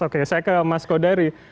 oke saya ke mas kodari